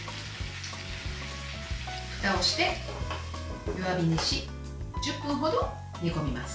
ふたをして、弱火にし１０分ほど煮込みます。